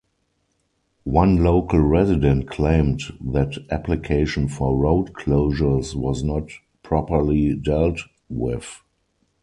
One local resident claimed that application for road closures was not properly dealt with.